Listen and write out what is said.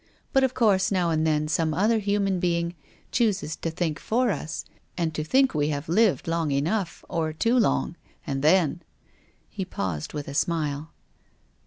But of course now and then some other human being chooses to think for us, and to think we have lived long enough or too long. And then " He paused with a smile.